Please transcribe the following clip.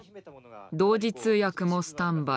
同時通訳もスタンバイ。